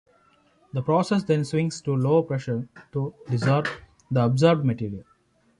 The process then swings to low pressure to desorb the adsorbed material.